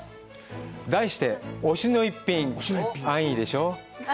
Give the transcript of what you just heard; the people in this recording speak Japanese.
題して「推しのイッピン」安易でしょ？